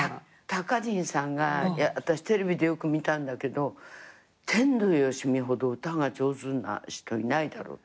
たかじんさんが私テレビでよく見たんだけど「天童よしみほど歌が上手な人いないだろう」